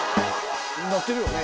なってるよね。